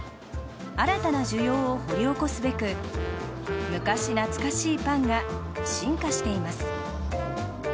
新たな需要を掘り起こすべく昔懐かしいパンが進化しています。